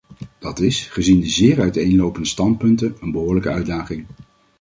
Dat is, gezien de zeer uiteenlopende standpunten, een behoorlijke uitdaging.